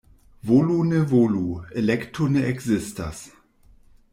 Volu-ne-volu — elekto ne ekzistas.